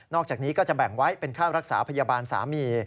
อกจากนี้ก็จะแบ่งไว้เป็นค่ารักษาพยาบาลสามี